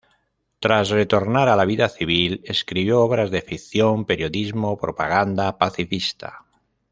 Tras retornar a la vida civil, escribió obras de ficción, periodismo, propaganda pacifista.